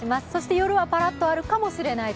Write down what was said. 夜はパラッとあるかもしれないと。